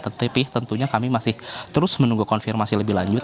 tetapi tentunya kami masih terus menunggu konfirmasi lebih lanjut